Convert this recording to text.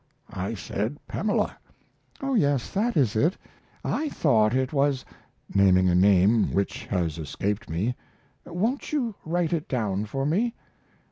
I said, "Pamela." "Oh yes, that is it, I thought it was (naming a name which has escaped me) won't you write it down for me?"